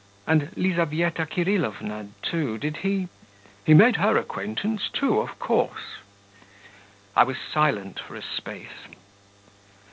'And Lizaveta Kirillovna, too, did he ...' 'He made her acquaintance, too, of course.' I was silent for a space.